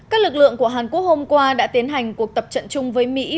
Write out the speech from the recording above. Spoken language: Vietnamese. các lực lượng của hàn quốc hôm qua đã tiến hành cuộc tập trận chung với mỹ